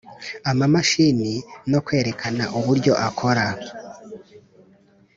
amamashini no kwerekana uburyo akora